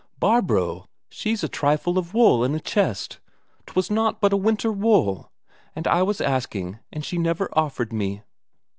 Barbro, she'd a trifle of wool in a chest; 'twas naught but winter wool, and I wasn't asking and she never offered me.